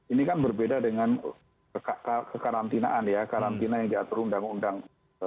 ini kan berbeda dengan kekarantinaan ya karantina yang diatur undang undang